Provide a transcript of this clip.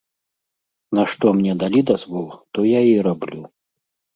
На што мне далі дазвол, то я і раблю.